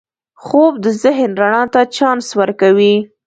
خوب د ذهن رڼا ته چانس ورکوي